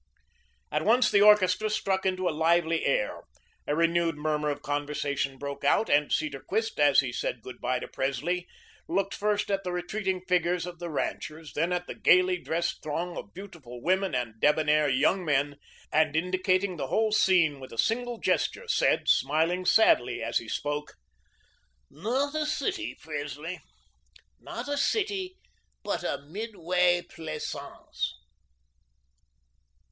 At once the orchestra struck into a lively air. A renewed murmur of conversation broke out, and Cedarquist, as he said good bye to Presley, looked first at the retreating figures of the ranchers, then at the gayly dressed throng of beautiful women and debonair young men, and indicating the whole scene with a single gesture, said, smiling sadly as he spoke: "Not a city, Presley, not a city, but a Midway Plaisance."